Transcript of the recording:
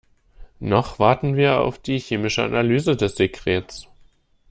Noch warten wir auf die chemische Analyse des Sekrets.